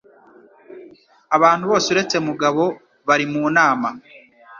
Abantu bose uretse Mugabo bari mu nama.